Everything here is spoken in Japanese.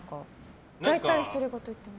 大体独り言を言ってます。